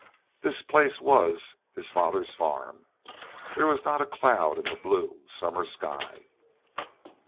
This place was, his father's farm. There was not a cloud in the blue, summer sky.